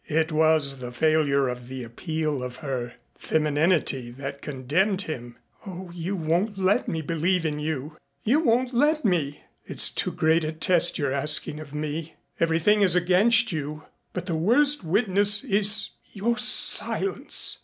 It was the failure of the appeal of her femininity that condemned him. "Oh, you won't let me believe in you. You won't let me. It's too great a test you're asking of me. Everything is against you but the worst witness is your silence!"